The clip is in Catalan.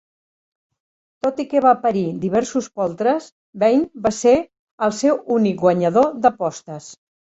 Tot i que va parir diversos poltres, Vain va ser el seu únic guanyador d'apostes.